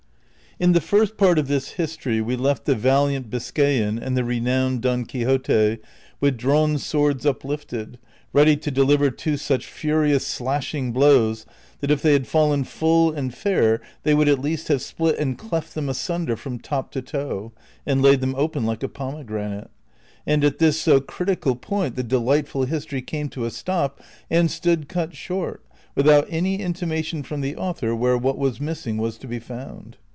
In the First Part of this history we left the valiant Bis cayan and the renowned Don Quixote with draAvn swords up lifted, ready to deliver two such furious slashing blows that if they had fallen full and fair they would at least have split and cleft them asunder from top to toe and laid them open like a pomegranate ; and at this so critical point the delightful history came to a stop and stood cut short without any intima tion from the author where what was missing was to be found.